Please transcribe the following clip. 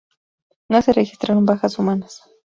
No se registraron bajas humanas.